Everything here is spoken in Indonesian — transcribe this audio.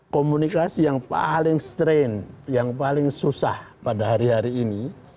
komunikasi yang paling strain yang paling susah pada hari hari ini